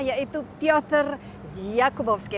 yaitu pyotr jakubovski